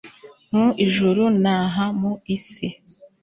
mu ijuru n'aha mu isi